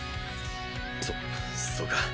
そそうか？